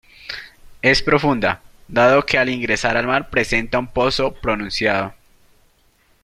Es profunda, dado que al ingresar al mar presenta un pozo pronunciado.